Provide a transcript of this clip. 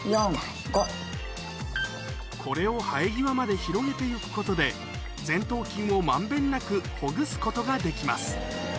これを生え際まで広げて行くことで前頭筋を満遍なくほぐすことができます